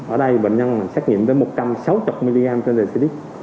ở đây bệnh nhân xác nhiệm tới một trăm sáu mươi mg trên một dl